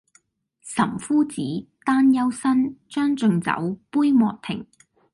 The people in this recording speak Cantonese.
岑夫子，丹丘生，將進酒，杯莫停